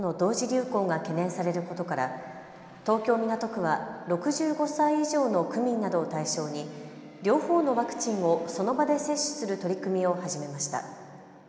流行が懸念されることから東京港区は６５歳以上の区民などを対象に両方のワクチンをその場で接種する取り組みを始めました。